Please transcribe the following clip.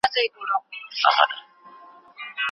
کوچنی کار هم مه پرېږده چي لوی کارونه له همدغو څخه پيل کيږي .